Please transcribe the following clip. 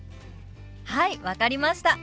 はい分かりました。